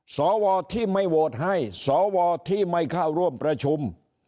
สวที่ไม่โหวตให้สวที่ไม่เข้าร่วมประชุม